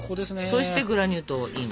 そしてグラニュー糖をイン。